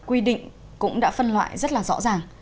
quy định cũng đã phân loại rất là rõ ràng